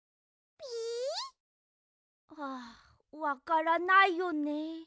ピ？はあわからないよね。